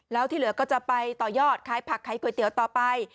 แล้วที่เหลือก็จะไปต่อยอดขายผักขายก๋วยเตี๋ยวต่อไป